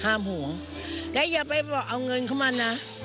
ห่วงและอย่าไปบอกเอาเงินเข้ามานะ